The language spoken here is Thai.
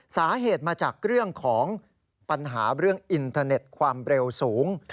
สาเหตุมาจากเรื่องของปัญหาเรื่องอินเทอร์เน็ตความเร็วสูง